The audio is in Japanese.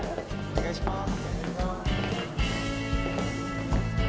お願いします